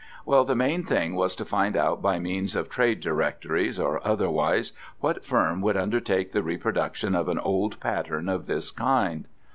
Well, the main thing was to find out by means of trade directories, or otherwise, what firm would undertake the reproduction of an old pattern of this kind.